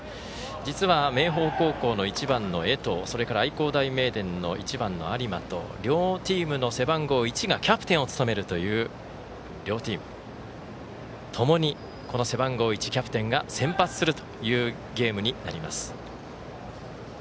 実は明豊高校の１番の江藤それから愛工大名電の１番の有馬と両チームの背番号１がキャプテンを務めるという両チームともに背番号１番が先発するというゲームになります。